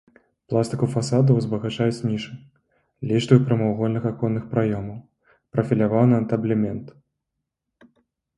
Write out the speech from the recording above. Пластыку фасадаў узбагачаюць нішы, ліштвы прамавугольных аконных праёмаў, прафіляваны антаблемент.